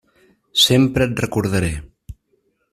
Sempre et recordaré.